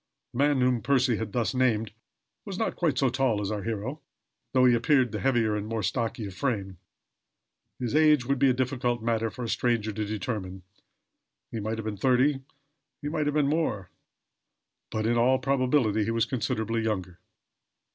The man whom Percy had thus named was not quite so tall as was our hero, though he appeared the heavier and more stocky of frame. His age would be a difficult matter for a stranger to determine. He might have been thirty, he might have been more; but, in all probability he was considerably younger.